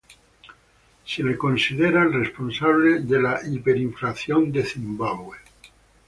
Se le considera el responsable de la hiperinflación de Zimbabue.